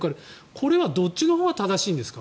これはどっちのほうが正しいんですか？